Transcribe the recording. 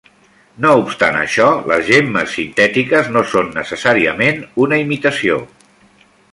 No obstant això, les gemmes sintètiques no són necessàriament una imitació.